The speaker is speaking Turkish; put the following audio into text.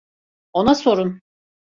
Ona sorun.